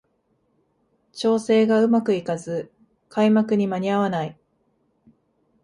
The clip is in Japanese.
調整がうまくいかず開幕に間に合わない